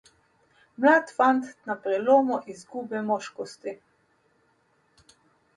Mlad fant na prelomu izgube moškosti.